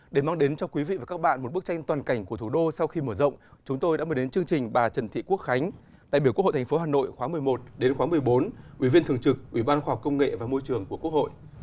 để mang đến cho quý vị và các bạn một bức tranh toàn cảnh của thủ đô sau khi mở rộng chúng tôi đã mời đến chương trình bà trần thị quốc khánh đại biểu quốc hội tp hà nội khóa một mươi một đến khóa một mươi bốn ủy viên thường trực ủy ban khoa học công nghệ và môi trường của quốc hội